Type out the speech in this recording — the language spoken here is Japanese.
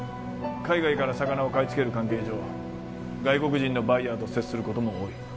海外から魚を買い付ける関係上外国人のバイヤーと接することも多い